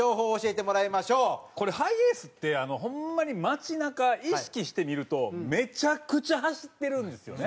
これハイエースってホンマに街なか意識して見るとめちゃくちゃ走ってるんですよね。